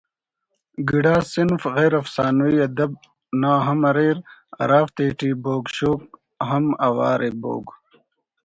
گڑاس صنف غیر افسانوی ادب نا ہم اریر ہرافتیٹی بوگ شوگ ہم اوار ءِ بوگ